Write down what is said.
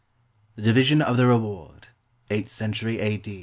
THE DIVISION OF THE REWARD [Eighth century. A.